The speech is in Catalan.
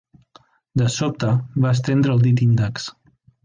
De sobte va estendre el dit índex.